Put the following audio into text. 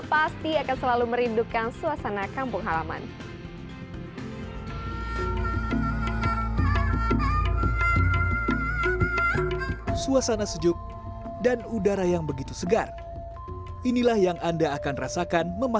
pasti akan selalu merindukan suasana kampung halaman